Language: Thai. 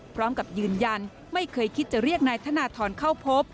พร้อมกับยืนยันไม่เคยคิดจะเรียกนายธนทรเข้าพบ